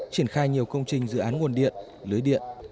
triển khai nhiều công trình dự án nguồn điện lưới điện